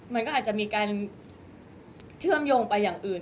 มันก็อาจจะมีการเชื่อมโยงไปอย่างอื่น